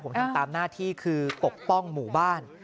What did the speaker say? ผมทำตามหน้าที่คือปกป้องหมู่บ้าน